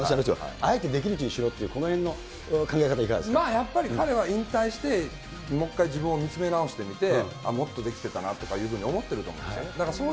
あえてできるうちにしろっていう、まあやっぱり、彼は引退して、もう一回自分を見つめ直してみて、もっとできてたなとかいうふうに思ってるかもしれない。